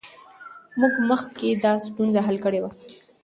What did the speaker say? موږ مخکې دا ستونزه حل کړې وه.